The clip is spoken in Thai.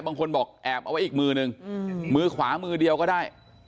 บางคนบอกแอบเอาไว้อีกมือนึงมือขวามือเดียวก็ได้